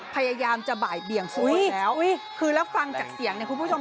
พยายามจะบ่ายเบี่ยงสื่อแล้วอุ้ยคือแล้วฟังจากเสียงเนี่ยคุณผู้ชม